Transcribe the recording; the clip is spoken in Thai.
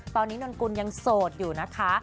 ตอนนี้นนกุลยังโสดอยู่นะคะ